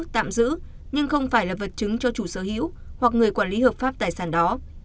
tạm giữ nhưng không phải là vật chứng cho chủ sở hữu hoặc người quản lý hợp pháp tài sản đó